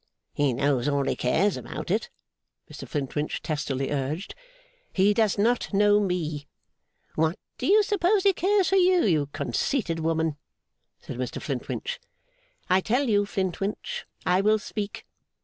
'He knows all he cares about it,' Mr Flintwinch testily urged. 'He does not know me.' 'What do you suppose he cares for you, you conceited woman?' said Mr Flintwinch. 'I tell you, Flintwinch, I will speak.